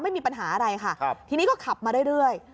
ไม่มีปัญหาอะไรค่ะครับทีนี้ก็ขับมาเรื่อยเรื่อย